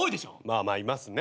まあまあいますね。